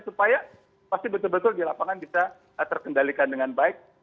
supaya pasti betul betul di lapangan bisa terkendalikan dengan baik